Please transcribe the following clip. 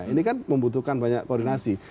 ini kan membutuhkan banyak koordinasi